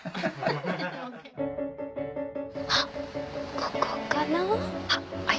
あっここかな？